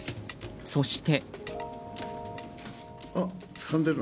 そして。